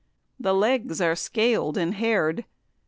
The legs are scal'd and hair'd.